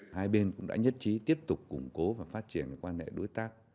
hai bên cũng đã nhất trí tiếp tục củng cố và phát triển quan hệ đối tác